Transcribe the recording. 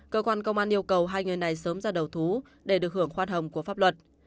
cơ quan công an yêu cầu hai người này sớm ra đầu thú để được hưởng khoan hồng của pháp luật